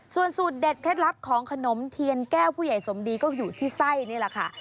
ส่วนสูตรเด็ดเคล็ดลับของขนมเทียนแก้วผู้ใหญ่สมดีก็อยู่ที่ไส้นี่แหละค่ะ